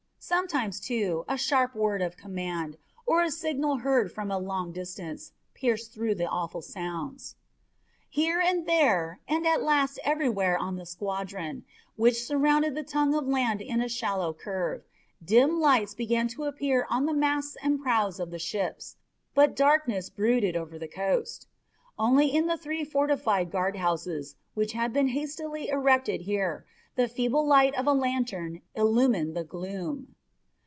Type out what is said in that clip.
Sometimes, too, a sharp word of command, or a signal heard for a long distance, pierced through the awful sounds. Here and there, and at last everywhere on the squadron, which surrounded the tongue of land in a shallow curve, dim lights began to appear on the masts and prows of the ships; but darkness brooded over the coast. Only in the three fortified guardhouses, which had been hastily erected here, the feeble light of a lantern illumined the gloom.